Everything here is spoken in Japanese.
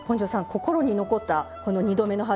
心に残ったこの「２度目の春」